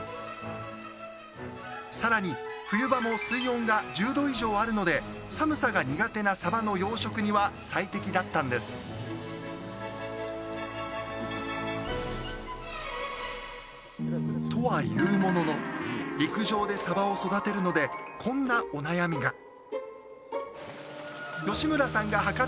更に冬場も水温が１０℃以上あるので寒さが苦手なサバの養殖には最適だったんですとはいうものの陸上でサバを育てるのでこんなお悩みが。